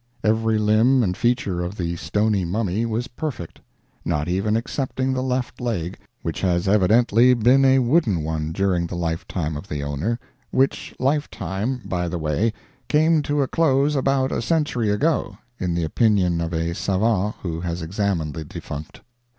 Every limb and feature of the stony mummy was perfect, not even excepting the left leg, which has evidently been a wooden one during the lifetime of the owner—which lifetime, by the way, came to a close about a century ago, in the opinion of a savan who has examined the defunct.